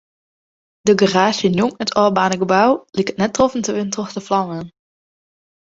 De garaazje njonken it ôfbaarnde gebou liket net troffen te wurden troch de flammen.